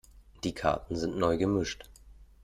Die Karten sind neu gemischt.